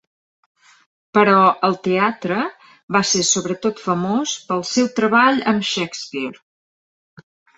Però el teatre va ser sobretot famós pel seu treball amb Shakespeare.